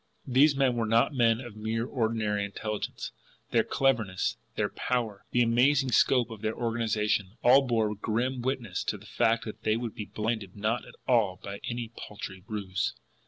These men were not men of mere ordinary intelligence; their cleverness, their power, the amazing scope of their organisation, all bore grim witness to the fact that they would be blinded not at all by any paltry ruse.